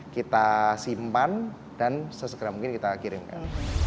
kita simpan dan sesegera mungkin kita kirimkan